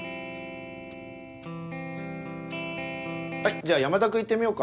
じゃあ山田君行ってみようか。